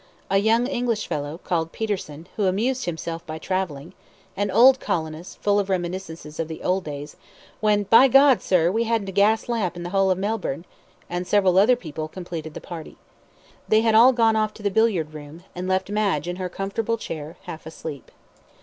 A young English fellow, called Peterson, who amused himself by travelling; an old colonist, full of reminiscences of the old days, when, "by gad, sir, we hadn't a gas lamp in the whole of Melbourne," and several other people, completed the party. They had all gone off to the billiard room, and left Madge in her comfortable chair, half asleep.